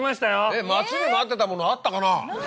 えっ待ちに待ってたものあったかな？